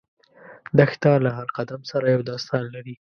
دښته له هر قدم سره یو داستان لري.